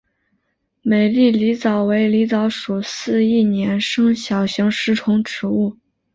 美丽狸藻为狸藻属似一年生小型食虫植物。